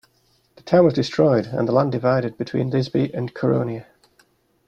The town was destroyed, and the land divided between Thisbe and Coronea.